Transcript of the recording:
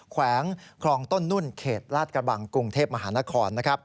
แขวงคลองต้นนุ่นเขตลาดกระบังกรุงเทพมหานคร